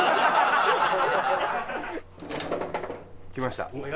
きました。